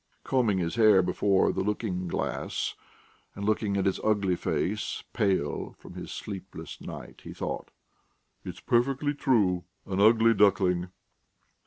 Combing his hair before the looking glass, and looking at his ugly face, pale from his sleepless night, he thought: "It's perfectly true ... an ugly duckling!"